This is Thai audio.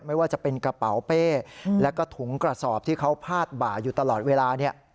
ไม่ว่าจะเป็นกระเป๋าเป้แล้วก็ถุงกระสอบที่เขาพาดบ่าอยู่ตลอดเวลาเนี่ย